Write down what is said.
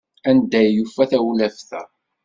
Anda ay yufa tawlaft-a?